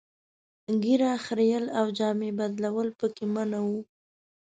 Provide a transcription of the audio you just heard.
ږیره خرییل او جامې بدلول پکې منع وو.